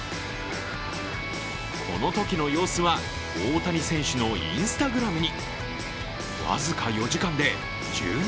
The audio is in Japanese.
このときの様子は、大谷選手のＩｎｓｔａｇｒａｍに。